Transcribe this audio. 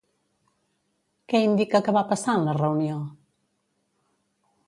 Què indica que va passar en la reunió?